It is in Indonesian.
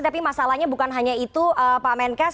tapi masalahnya bukan hanya itu pak menkes